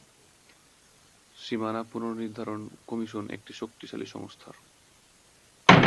সীমানা পুনর্নির্ধারণ কমিশন একটি শক্তিশালী সংস্থার।